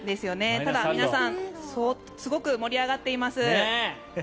ただ、皆さんすごく盛り上がっています。